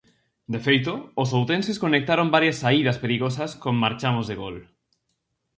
De feito, os outenses conectaron varias saídas perigosas con marchamos de gol.